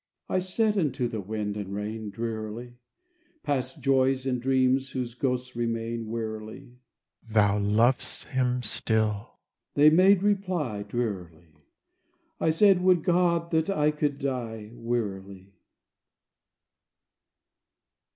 I said unto the wind and rain, Drearily: "Past joys, and dreams whose ghosts remain, Wearily." "Thou lov'st him still," they made reply, Drearily. I said, "Would God that I could die!" Wearily.